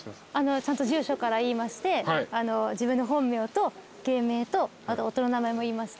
ちゃんと住所から言いまして自分の本名と芸名とあと夫の名前も言いまして。